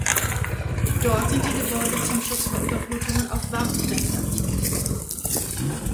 Dort sind die Gebäude zum Schutz vor Überflutungen auf Warften errichtet.